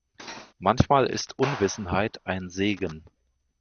Manchmal ist Unwissenheit ein Segen.